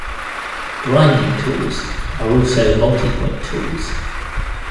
Grinding tools are also multipoint tools.